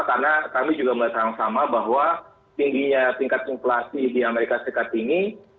karena kami juga melihat hal yang sama bahwa tingginya tingkat inflasi di amerika serikat ini